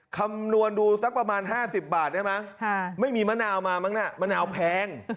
คำนวณดูสักประมาณ๕๐บาทได้ไหมไม่มีมะนาวมามั้งน่ะมะนาวแพง